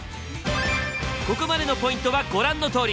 ここまでのポイントはご覧のとおり！